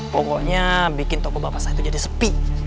pokoknya bikin toko bapak saya itu jadi sepi